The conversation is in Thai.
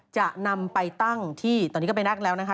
จะนำไปตั้งที่ตอนนี้ก็ไปนักแล้วนะคะ